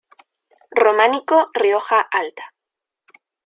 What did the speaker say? Románico Rioja Alta